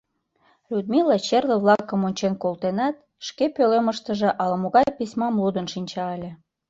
Людмила черле-влакым ончен колтенат, шке пӧлемыштыже ала-могай письмам лудын шинча ыле.